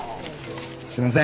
すみません！